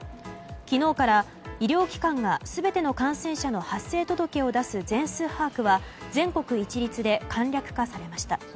昨日から医療機関が全ての感染者の発生届を出す全数把握は全国一律で簡略化されました。